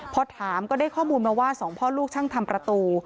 พอถามก็ได้ข้อมูลมาว่าสองพ่อลูกช่างทำประตู